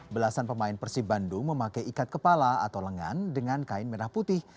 belasan pemain persib bandung memakai ikat kepala atau lengan dengan kain merah putih